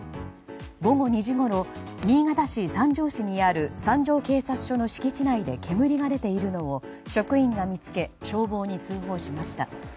午後２時ごろ新潟県三条市にある三条警察署の敷地内で煙が出ているのを職員が見つけ消防に通報しました。